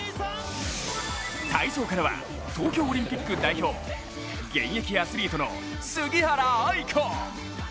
体操からは、東京オリンピック代表現役アスリートの杉原愛子。